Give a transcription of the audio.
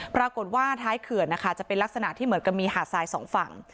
ปรากฏว่าท้ายเขื่อนนะคะจะเป็นลักษณะที่เหมือนกับมีหาดทรายสองฝั่ง